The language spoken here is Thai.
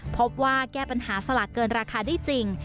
พบว่าแก้ปัญหาสลากเกินราคาได้จริง